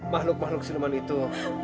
makhluk makhluk siluman itu